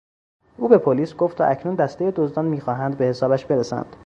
او به پلیس گفت و اکنون دستهی دزدان میخواهند به حسابش برسند.